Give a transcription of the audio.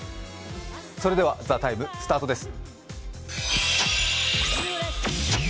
それでは、「ＴＨＥＴＩＭＥ，」スタートです。